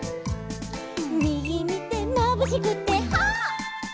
「みぎみてまぶしくてはっ」